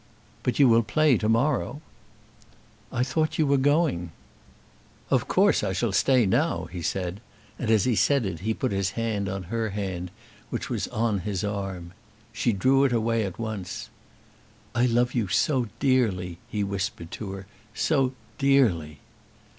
"But you will play to morrow?" "I thought you were going." "Of course I shall stay now," he said, and as he said it he put his hand on her hand, which was on his arm. She drew it away at once. "I love you so dearly," he whispered to her; "so dearly."